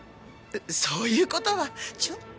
そういう事はちょっと。